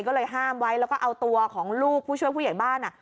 ก็เลยห้ามไว้แล้วก็เอาตัวของลูกผู้ช่วยผู้ใหญ่บ้าน